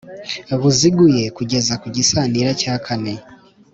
Buziguye kugeza ku gisanira cya kane